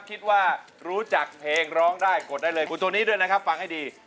คิดว่ารู้จักเพลงร้องได้กดได้เลยคุณตัวนี้ด้วยนะครับฟังให้ดี